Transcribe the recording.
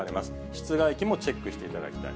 室外機もチェックしていただきたい。